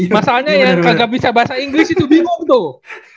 masalahnya yang kagak bisa bahasa inggris itu bingung tuh